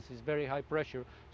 memiliki berat yang sangat tinggi